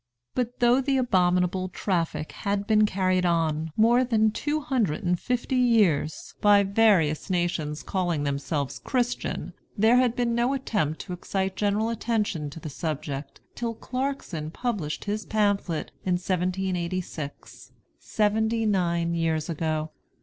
But though the abominable traffic had been carried on more than two hundred and fifty years by various nations calling themselves Christian, there had been no attempt to excite general attention to the subject till Clarkson published his pamphlet in 1786, seventy nine years ago.